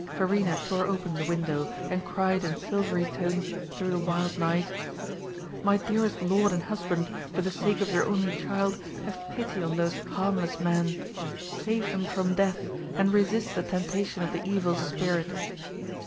Verena tore open the window, and cried in silvery tones through the wild night, 'My dearest lord and husband, for the sake of your only child, have pity on those harmless men! Save them from death, and resist the temptation of the evil spirit.